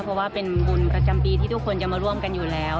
เพราะว่าเป็นบุญประจำปีที่ทุกคนจะมาร่วมกันอยู่แล้ว